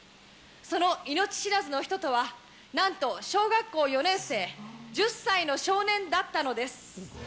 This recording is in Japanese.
その命知らずの人とは、なんと小学校４年生、１０歳の少年だったのです。